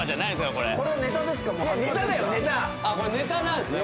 これネタなんすね。